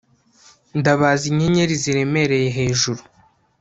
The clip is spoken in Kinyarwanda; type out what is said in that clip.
ndabaza inyenyeri ziremereye hejuru